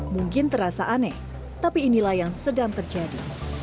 mungkin terasa aneh tapi inilah yang sedang terjadi